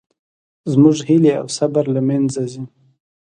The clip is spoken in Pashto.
زموږ هیلې او صبر له منځه ځي